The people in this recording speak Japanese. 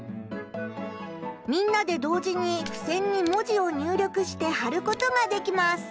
みんなで同時にふせんに文字を入力してはることができます。